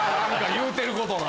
言うてることが。